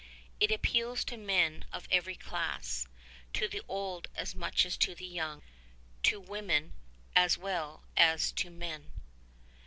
It appeals to men of every class ; to the old as. much as to the young; to women as well as to men.